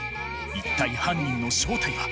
一体犯人の正体は。